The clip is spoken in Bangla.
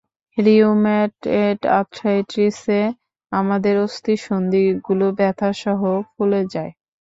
রিউমাটয়েড আর্থাইটিসে আমাদের অস্থিসন্ধীগুলো ব্যাথাসহ ফুলে যায়।